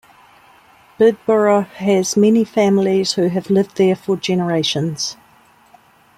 Bidborough has many families who have lived there for generations.